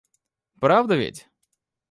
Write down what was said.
Правда ведь?